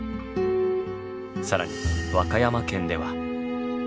更に和歌山県では。